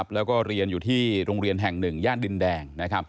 แล้วก็เรียนอยู่ที่โรงเรียนแห่ง๑ย่านดินแดง